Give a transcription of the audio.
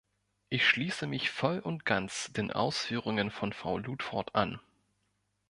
Ich schließe mich voll und ganz den Ausführungen von Frau Ludford an.